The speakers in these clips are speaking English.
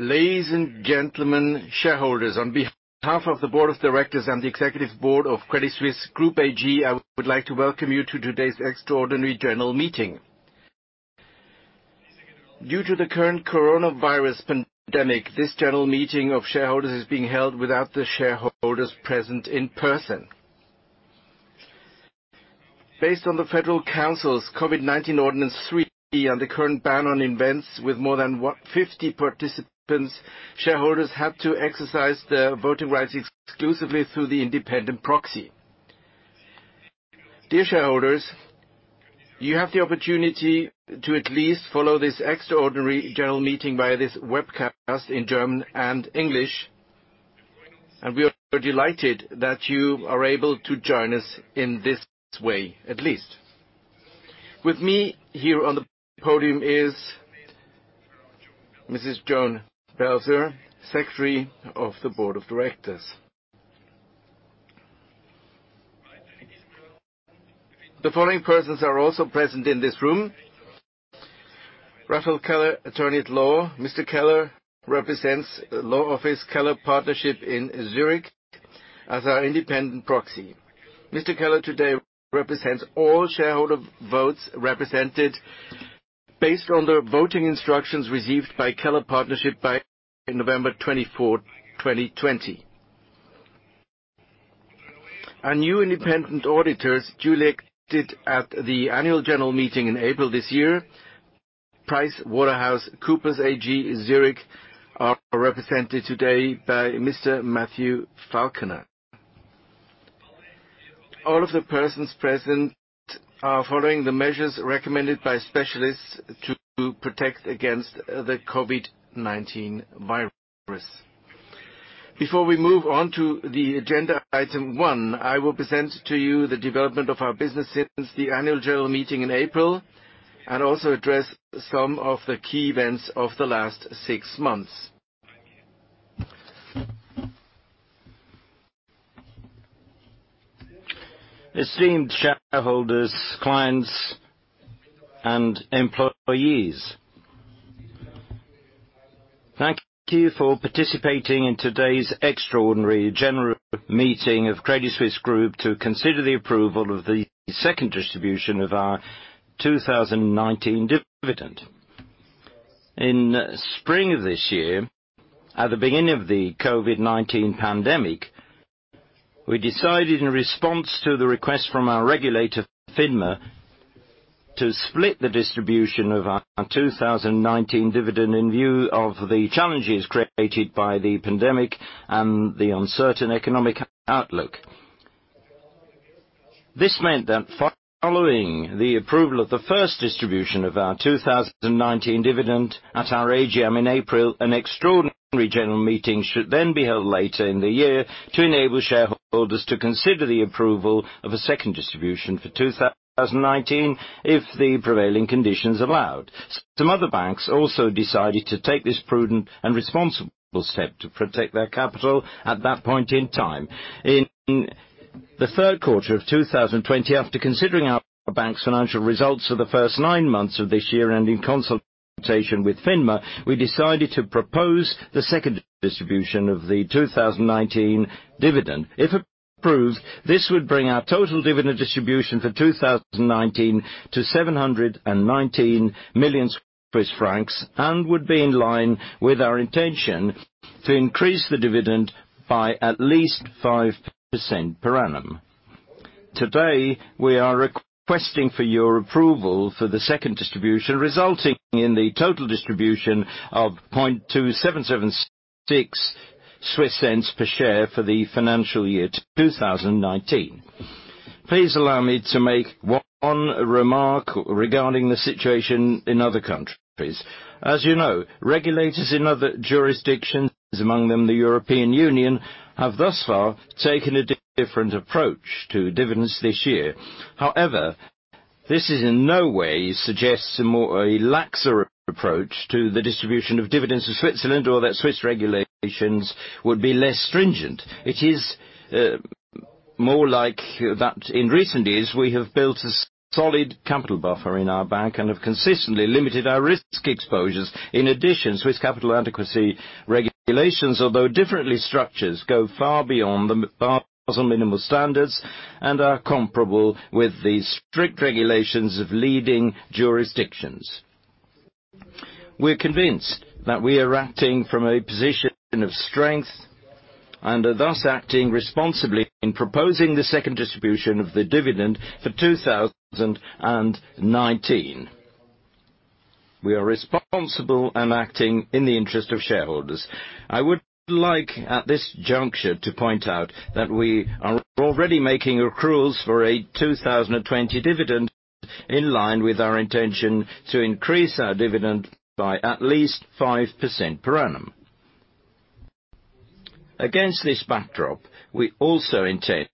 Ladies and gentlemen, shareholders. On behalf of the board of directors and the executive board of Credit Suisse Group AG, I would like to welcome you to today's extraordinary general meeting. Due to the current coronavirus pandemic, this general meeting of shareholders is being held without the shareholders present in person. Based on the Federal Council's COVID-19 Ordinance 3 and the current ban on events with more than 50 participants, shareholders had to exercise their voting rights exclusively through the independent proxy. Dear shareholders, you have the opportunity to at least follow this extraordinary general meeting via this webcast in German and English, and we are delighted that you are able to join us in this way at least. With me here on the podium is Mrs. Joan Belzer, Secretary of the Board of Directors. The following persons are also present in this room. Raphael Keller, Attorney at Law. Mr Keller represents the Law Office Keller Partnership in Zurich as our independent proxy. Mr Keller today represents all shareholder votes represented based on the voting instructions received by Keller Partnership by 24 November 2020. Our new independent auditors duly elected at the annual general meeting in April this year, PricewaterhouseCoopers AG, Zurich, are represented today by Mr. Matthew Falconer. All of the persons present are following the measures recommended by specialists to protect against the COVID-19 virus. Before we move on to the agenda item one, I will present to you the development of our business since the annual general meeting in April, and also address some of the key events of the last six months. Esteemed shareholders, clients, and employees. Thank you for participating in today's extraordinary general meeting of Credit Suisse Group to consider the approval of the second distribution of our 2019 dividend. In spring of this year, at the beginning of the COVID-19 pandemic, we decided in response to the request from our regulator, FINMA, to split the distribution of our 2019 dividend in view of the challenges created by the pandemic and the uncertain economic outlook. This meant that following the approval of the first distribution of our 2019 dividend at our AGM in April, an extraordinary general meeting should then be held later in the year to enable shareholders to consider the approval of a second distribution for 2019 if the prevailing conditions allowed. Some other banks also decided to take this prudent and responsible step to protect their capital at that point in time. In the Q3 of 2020, after considering our bank's financial results for the first nine months of this year and in consultation with FINMA, we decided to propose the second distribution of the 2019 dividend. If approved, this would bring our total dividend distribution for 2019 to 719 million Swiss francs and would be in line with our intention to increase the dividend by at least 5% per annum. Today, we are requesting for your approval for the second distribution, resulting in the total distribution of 0.2776 per share for the financial year 2019. Please allow me to make one remark regarding the situation in other countries. As you know, regulators in other jurisdictions, among them the European Union, have thus far taken a different approach to dividends this year. However, this in no way suggests a laxer approach to the distribution of dividends in Switzerland or that Swiss regulations would be less stringent. It is more like that in recent years, we have built a solid capital buffer in our bank and have consistently limited our risk exposures. In addition, Swiss capital adequacy regulations, although differently structured, go far beyond the Basel minimal standards and are comparable with the strict regulations of leading jurisdictions. We're convinced that we are acting from a position of strength and are thus acting responsibly in proposing the second distribution of the dividend for 2019. We are responsible and acting in the interest of shareholders. I would like at this juncture to point out that we are already making accruals for a 2020 dividend in line with our intention to increase our dividend by at least 5% per annum. Against this backdrop, we also intend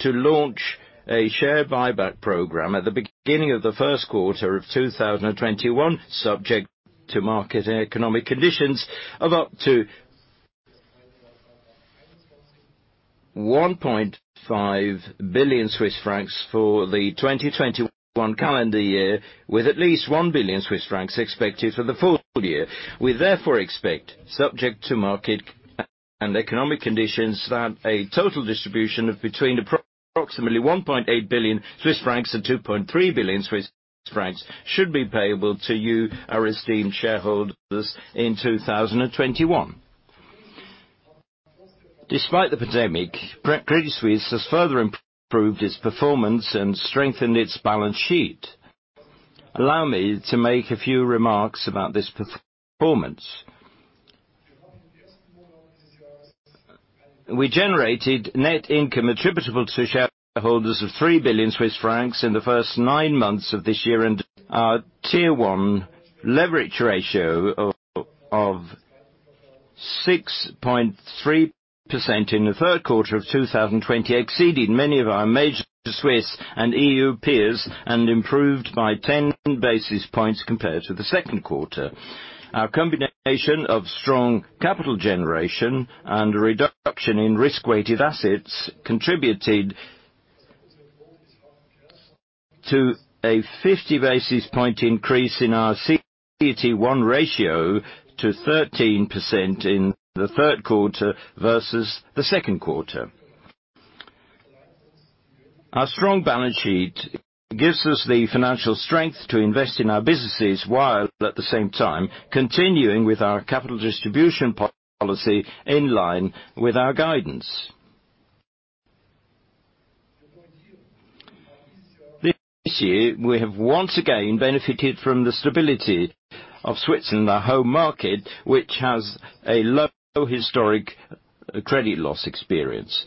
to launch a share buyback program at the beginning of the Q1 of 2021, subject to market economic conditions, of up to 1.5 billion Swiss francs for the 2021 calendar year, with at least 1 billion Swiss francs expected for the full year. We therefore expect, subject to market and economic conditions, that a total distribution of between approximately 1.8 billion Swiss francs and 2.3 billion Swiss francs should be payable to you, our esteemed shareholders, in 2021. Despite the pandemic, Credit Suisse has further improved its performance and strengthened its balance sheet. Allow me to make a few remarks about this performance. We generated net income attributable to shareholders of 3 billion Swiss francs in the first nine months of this year. Our Tier 1 leverage ratio of 6.3% in the Q3 of 2020 exceeded many of our major Swiss and EU peers and improved by 10 basis points compared to the Q2. Our combination of strong capital generation and reduction in risk-weighted assets contributed to a 50-basis point increase in our CET1 ratio to 13% in the Q3 versus the Q2. Our strong balance sheet gives us the financial strength to invest in our businesses while at the same time continuing with our capital distribution policy in line with our guidance. This year, we have once again benefited from the stability of Switzerland, our home market, which has a low historic credit loss experience.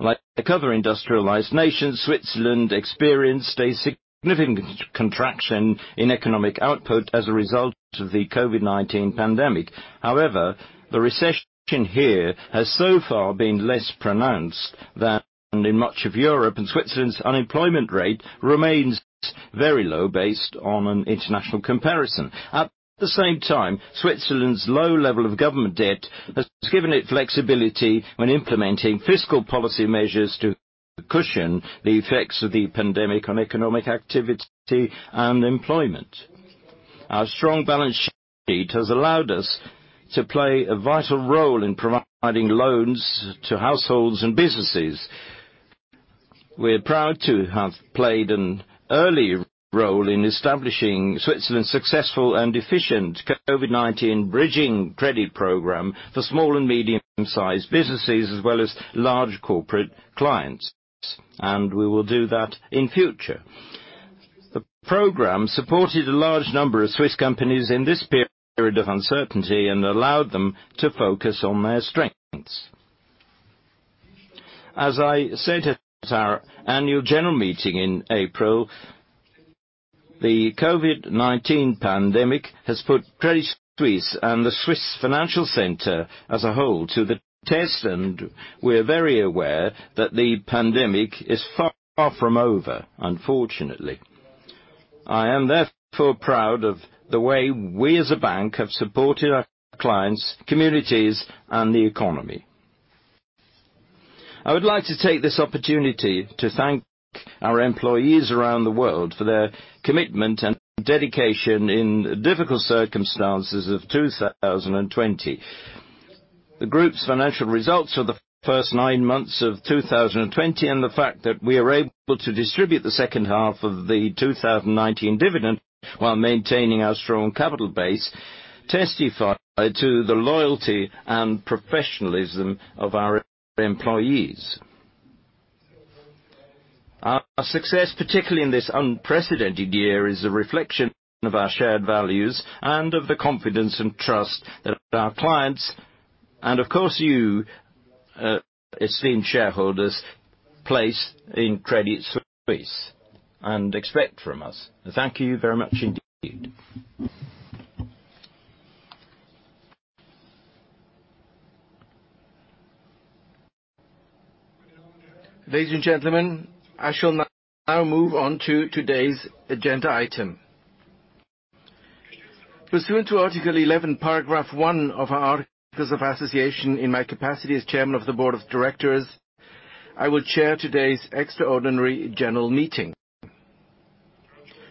Like other industrialized nations, Switzerland experienced a significant contraction in economic output as a result of the COVID-19 pandemic. However, the recession here has so far been less pronounced than in much of Europe, and Switzerland's unemployment rate remains very low based on an international comparison. At the same time, Switzerland's low level of government debt has given it flexibility when implementing fiscal policy measures to cushion the effects of the pandemic on economic activity and employment. Our strong balance sheet has allowed us to play a vital role in providing loans to households and businesses. We're proud to have played an early role in establishing Switzerland's successful and efficient COVID-19 bridging credit program for small and medium-sized businesses, as well as large corporate clients. We will do that in future. The program supported a large number of Swiss companies in this period of uncertainty and allowed them to focus on their strengths. As I said at our annual general meeting in April, the COVID-19 pandemic has put Credit Suisse and the Swiss financial center as a whole to the test, and we're very aware that the pandemic is far from over, unfortunately. I am therefore proud of the way we as a bank have supported our clients, communities, and the economy. I would like to take this opportunity to thank our employees around the world for their commitment and dedication in difficult circumstances of 2020. The group's financial results for the first nine months of 2020 and the fact that we are able to distribute the H2 of the 2019 dividend while maintaining our strong capital base testify to the loyalty and professionalism of our employees. Our success, particularly in this unprecedented year, is a reflection of our shared values and of the confidence and trust that our clients and, of course, you, esteemed shareholders, place in Credit Suisse and expect from us. Thank you very much indeed. Ladies and gentlemen, I shall now move on to today's agenda item. Pursuant to Article 11, Paragraph one of our Articles of Association, in my capacity as Chairman of the Board of Directors, I will chair today's extraordinary general meeting.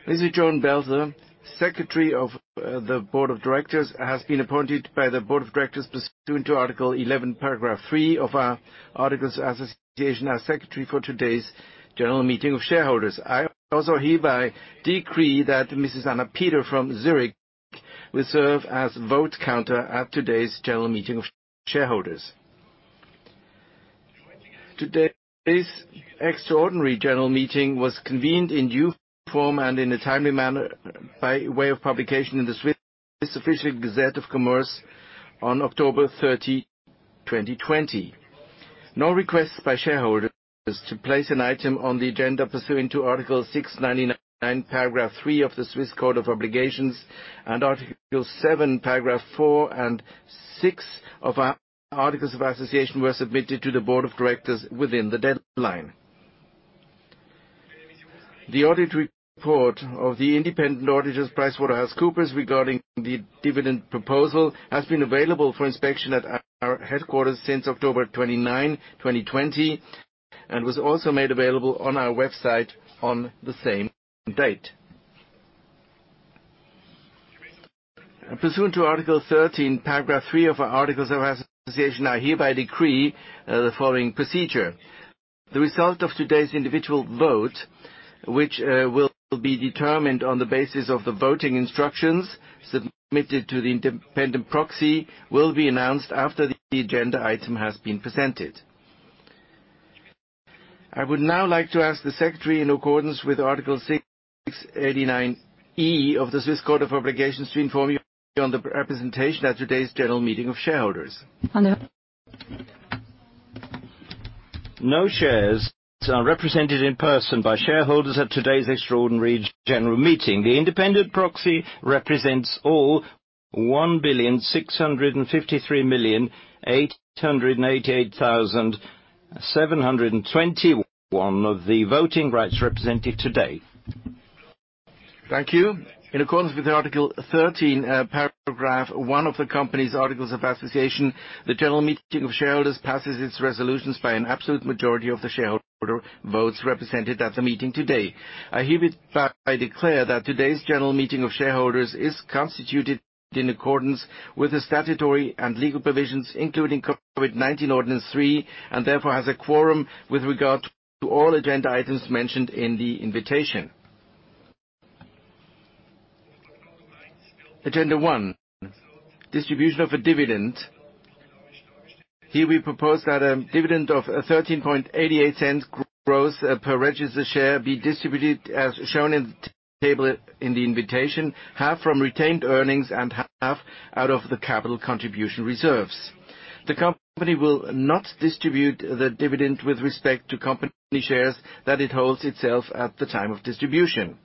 Mrs. Joan Belzer, Secretary of the Board of Directors, has been appointed by the Board of Directors pursuant to Article 11, Paragraph three of our Articles of Association as secretary for today's general meeting of shareholders. I also hereby decree that Mrs. Anna Peter from Zurich will serve as Vote Counter at today's general meeting of shareholders. Today's extraordinary general meeting was convened in due form and in a timely manner by way of publication in the Swiss Official Gazette of Commerce on 30 October 2020. No requests by shareholders to place an item on the agenda pursuant to Article 699, Paragraph three of the Swiss Code of Obligations and Article 7, Paragraph four and six of our Articles of Association were submitted to the Board of Directors within the deadline. The audit report of the independent auditors, PricewaterhouseCoopers, regarding the dividend proposal has been available for inspection at our headquarters since 29 October 2020, and was also made available on our website on the same date. Pursuant to Article 13, Paragraph three of our articles of association, I hereby decree the following procedure. The result of today's individual vote, which will be determined on the basis of the voting instructions submitted to the independent proxy, will be announced after the agenda item has been presented. I would now like to ask the secretary, in accordance with Article 689e of the Swiss Code of Obligations, to inform you on the representation at today's general meeting of shareholders. No shares are represented in person by shareholders at today's extraordinary general meeting. The independent proxy represents all 1,653,888,721 of the voting rights represented today. Thank you. In accordance with Article 13, Paragraph one of the company's articles of association, the general meeting of shareholders passes its resolutions by an absolute majority of the shareholder votes represented at the meeting today. I hereby declare that today's general meeting of shareholders is constituted in accordance with the statutory and legal provisions, including COVID-19 Ordinance 3, and therefore has a quorum with regard to all agenda items mentioned in the invitation. Agenda one: distribution of a dividend. Here we propose that a dividend of 0.1388 gross per registered share be distributed as shown in the table in the invitation, half from retained earnings and half out of the capital contribution reserves. The company will not distribute the dividend with respect to company shares that it holds itself at the time of distribution.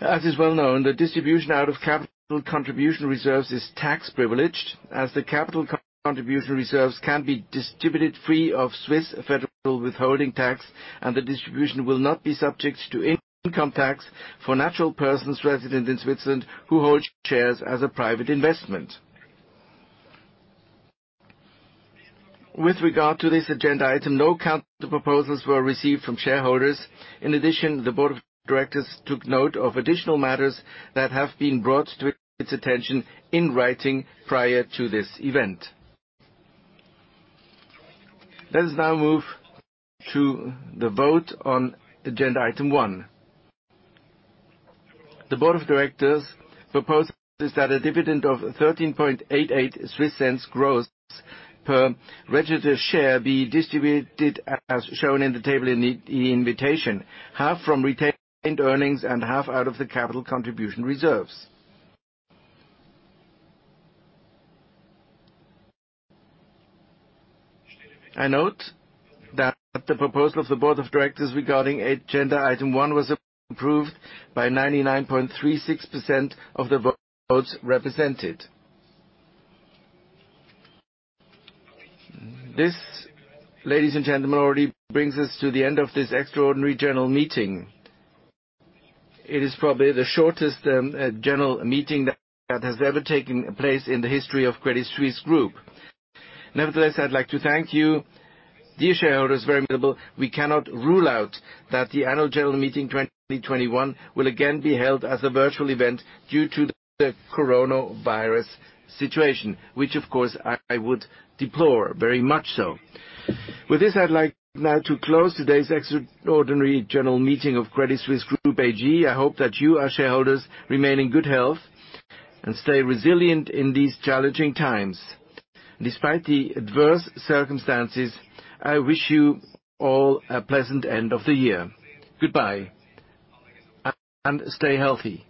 As is well known, the distribution out of capital contribution reserves is tax-privileged, as the capital contribution reserves can be distributed free of Swiss federal withholding tax, and the distribution will not be subject to any income tax for natural persons resident in Switzerland who hold shares as a private investment. With regard to this agenda item, no counter proposals were received from shareholders. In addition, the board of directors took note of additional matters that have been brought to its attention in writing prior to this event. Let us now move to the vote on agenda item one. The board of directors proposes that a dividend of 0.1388 gross per registered share be distributed as shown in the table in the invitation, half from retained earnings and half out of the capital contribution reserves. I note that the proposal of the board of directors regarding agenda item one was approved by 99.36% of the votes represented. This, ladies and gentlemen, already brings us to the end of this extraordinary general meeting. It is probably the shortest general meeting that has ever taken place in the history of Credit Suisse Group. Nevertheless, I'd like to thank you, dear shareholders, very much. We cannot rule out that the annual general meeting 2021 will again be held as a virtual event due to the coronavirus situation, which of course, I would deplore very much so. With this, I'd like now to close today's extraordinary general meeting of Credit Suisse Group AG. I hope that you, our shareholders, remain in good health and stay resilient in these challenging times. Despite the adverse circumstances, I wish you all a pleasant end of the year. Goodbye, and stay healthy.